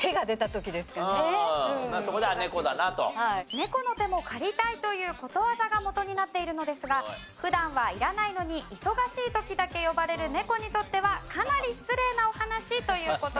猫の手も借りたいということわざがもとになっているのですが普段はいらないのに忙しい時だけ呼ばれる猫にとってはかなり失礼なお話という事でした。